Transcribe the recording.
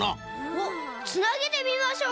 つなげてみましょう！